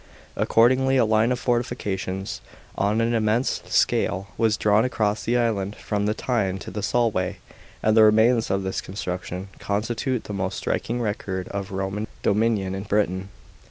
Accordingly a line of fortifications, on an immense scale, was drawn across the island, from the Tyne to the Solway, and the re mains of this construction constitute the most striking record of Roman dominion in Britain.